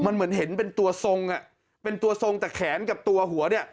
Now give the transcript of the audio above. มันเหมือนเห็นเป็นตัวทรงอ่ะเป็นตัวทรงแต่แขนกับตัวหัวเนี่ย